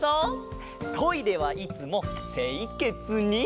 トイレはいつもせいけつに！